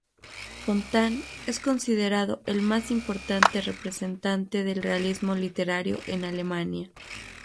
Fontane es considerado el más importante representante del realismo literario en Alemania.